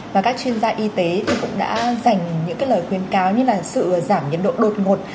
và các chuyên gia y tế cũng đã dành những lời khuyên cáo như là sự giảm nhiệt độ đột ngột